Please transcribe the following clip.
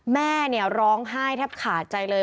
แม่ร้องไห้แทบขาดใจเลย